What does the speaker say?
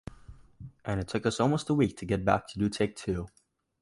And it took us almost a week to get back to do take two.